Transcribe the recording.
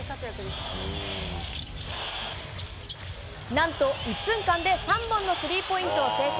なんと１分間で３本のスリーポイントを成功。